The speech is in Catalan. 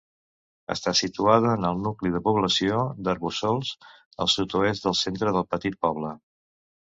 Està situada en el nucli de població d'Arboçols, al sud-oest del centre del petit poble.